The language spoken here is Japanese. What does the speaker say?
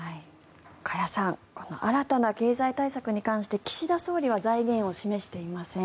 加谷さんこの新たな経済対策に関して岸田総理は財源を示していません。